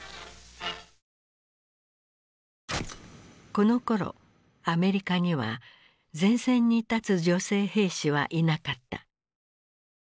このころアメリカには前線に立つ女性兵士はいなかった。